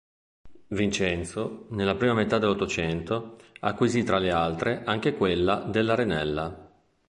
Vincenzo, nella prima metà dell’Ottocento, acquisì tra le altre anche quella dell’Arenella.